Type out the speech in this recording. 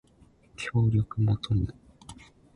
協力求む